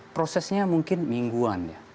prosesnya mungkin mingguan